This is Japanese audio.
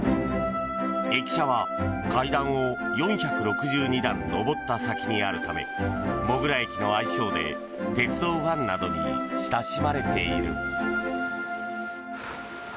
駅舎は階段を４６２段上った先にあるためモグラ駅の愛称で鉄道ファンなどに親しまれている。